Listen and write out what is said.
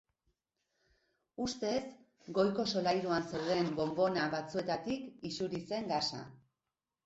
Ustez, goiko solairuan zeuden bonbona batzuetatik isuri zen gasa.